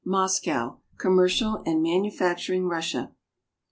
MOSCOW— COMMERCIAL AND MANUFACTURING RUSSIA.